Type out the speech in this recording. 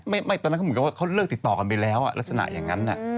ตอนนั้นเขาเหมือนกับว่าเขาเลิกติดต่อกันไปแล้วลักษณะอย่างนั้น